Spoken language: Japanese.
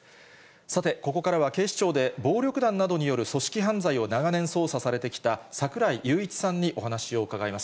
さて、ここからは警視庁で暴力団などによる組織犯罪を長年捜査されてきた櫻井裕一さんにお話を伺います。